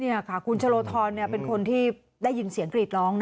นี่ค่ะคุณชะโลทรเป็นคนที่ได้ยินเสียงกรีดร้อง